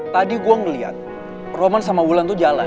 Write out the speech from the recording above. tadi gue ngeliat roman sama wulan itu jalan